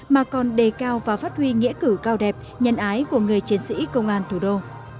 mà còn đề cao và phát huy nghĩa cử cao đẹp nhân ái của người chiến sĩ công an thủ đô